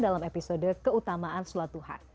dalam episode keutamaan sholat duhan